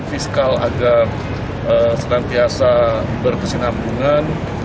fiskal agar senantiasa berkesinambungan